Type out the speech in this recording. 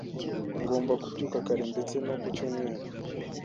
Ngomba kubyuka kare, ndetse no ku cyumweru.